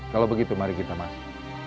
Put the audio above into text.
kalau begitu mari kita masuk